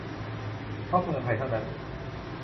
เฉพาะเมืองไทยเท่านั้น !